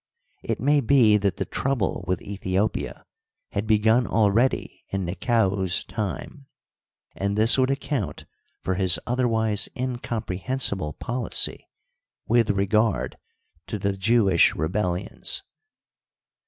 It may be that the trouble with Aethiopia had begun already in Nekau 's time, and this would account for his otherwise incom prehensible policy with regard to the Jewish rebellions.